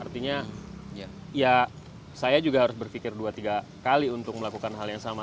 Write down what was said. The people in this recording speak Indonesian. artinya ya saya juga harus berpikir dua tiga kali untuk melakukan hal yang sama